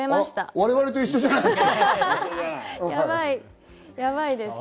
我々と一緒じゃないですか。